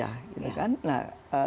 dari yang kecil saja